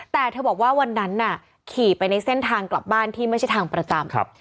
แต่เธอบอกว่าวันนั้นน่ะขี่ไปในเส้นทางกลับบ้านที่ไม่ใช่ทางประจำ